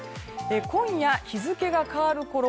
今夜、日付が変わるころ